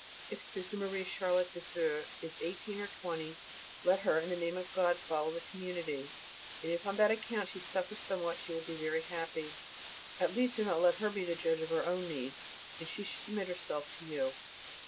If Sister M. Charlotte (de Feu) is eighteen or twenty let her in the name of God follow the community, and if on that account she suffers somewhat she will be very happy. At least do not let her be the judge of her own needs, and she should submit herself to you.